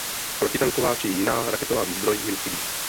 Protitanková či jiná raketová výzbroj jim chybí.